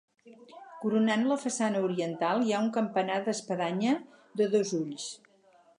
Coronant la façana oriental hi ha un campanar d'espadanya de dos ulls.